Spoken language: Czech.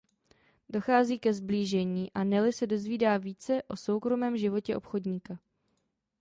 Dochází ke sblížení a Nelly se dozvídá více o soukromém životě obchodníka.